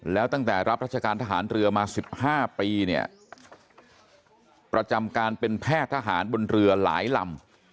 แล้วตั้งแต่รับราชการทหารเรือมา๑๕ปีเนี่ยประจำการเป็นแพทย์ทหารบนเรือหลายลำ